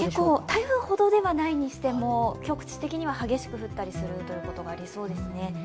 台風ほどではないにしても、局地的には激しく降ったりするということがありそうですね。